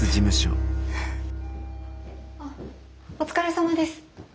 あっお疲れさまです。